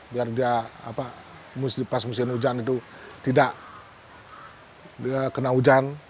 biar dia pas musim hujan itu tidak kena hujan